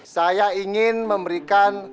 saya ingin memberikan